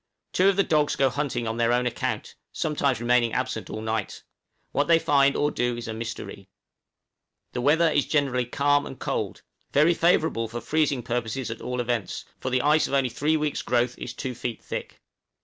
Two of the dogs go hunting on their own account, sometimes remaining absent all night. What they find or do is a mystery. The weather is generally calm and cold, very favorable for freezing purposes at all events, for the ice of only three weeks' growth is two feet thick.